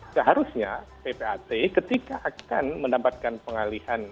seharusnya ppat ketika akan mendapatkan pengalihan